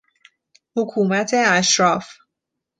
حکومت اشراف